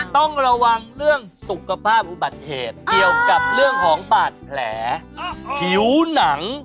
ต้องระวังเรื่องสุขภาพอุบัติเหตุเกี่ยวกับเรื่องของบาดแผลผิวหนัง